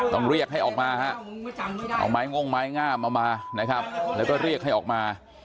ต้องเรียกให้ออกมาฮะเอาไม้ง่งไม้งามเอามานะครับแล้วก็เรียกให้ออกมา